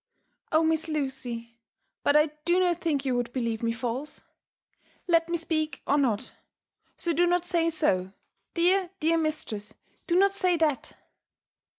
" Oh 1 Miss Lucy— But I do not think you would believe me false, let me speak or not ; so do not say so nlear, dear mistress, do not say that